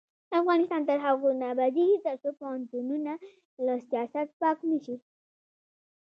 افغانستان تر هغو نه ابادیږي، ترڅو پوهنتونونه له سیاست پاک نشي.